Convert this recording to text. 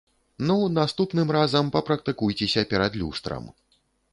Ну, наступным разам папрактыкуйцеся перад люстрам.